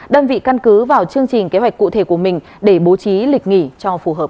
đơn vị căn cứ vào chương trình kế hoạch cụ thể của mình để bố trí lịch nghỉ cho phù hợp